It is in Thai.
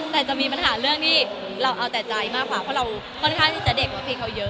แต่จะมีปัญหาเรื่องที่เราเอาแต่ใจมากกว่าเพราะเราค่อนข้างที่จะเด็กว่าเพลงเขาเยอะ